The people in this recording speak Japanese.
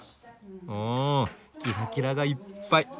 おおキラキラがいっぱい。